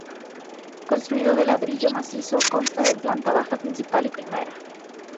Construido en ladrillo macizo, consta de planta baja, principal y primera.